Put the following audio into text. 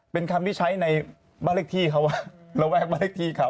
เป็นคำที่ใช้ในบ้านเลขที่เขาระแวกบ้านเลขที่เขา